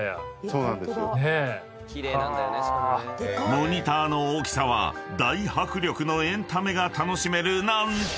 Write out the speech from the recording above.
［モニターの大きさは大迫力のエンタメが楽しめる何と］